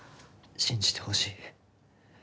信じてほしい。